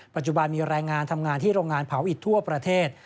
ปัจจุบันมีแรงงานทำงานที่โรงงานเผาอิดทั่วประเทศ